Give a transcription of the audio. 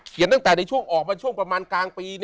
เขียนในช่วงออกมาช่วงประมาณกลางปี